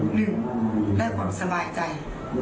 หนึ่งและความสบายใจ